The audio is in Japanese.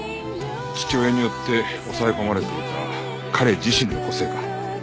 父親によって押さえ込まれていた彼自身の個性か。